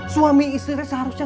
suami istri teh seharusnya